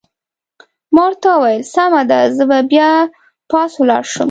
ما ورته وویل: سمه ده، زه به بیا پاس ولاړ شم.